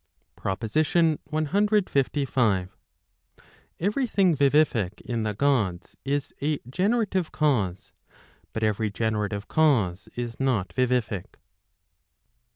/ PROPOSITION CLV. ! Every thing vivific in the Gods is [a generative cause, but every generative cause is not vivific.